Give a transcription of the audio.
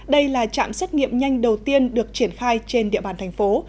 đây là trạm xét nghiệm nhanh đầu tiên được triển khai trên địa bàn thành phố